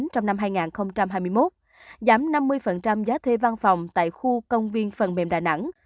trong năm hai nghìn hai mươi một giảm năm mươi giá thuê văn phòng tại khu công viên phần mềm đà nẵng